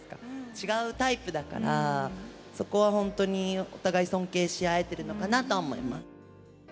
違うタイプだから、そこは本当にお互い尊敬し合えてるのかなと思います。